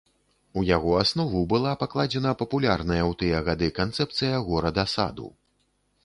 У яго аснову была пакладзена папулярная ў тыя гады канцэпцыя горада-саду.